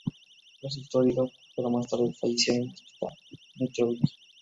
Resultó herido pero más tarde falleció en un hospital de Mitrovica.